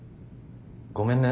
ごめんね。